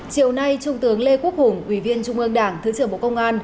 chiều nay trung tướng lê quốc hùng ủy viên trung ương đảng thứ trưởng bộ công an